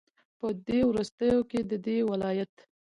په دې وروستيو كې ددې ولايت